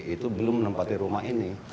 itu belum menempati rumah ini